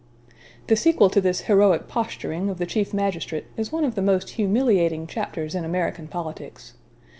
The sequel to this heroic posturing of the chief magistrate is one of the most humiliating chapters in American politics.